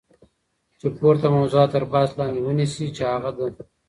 چی پورته موضوعات تر بحث لاندی ونیسی چی هغه د